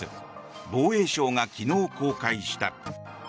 防衛省が昨日、公開した。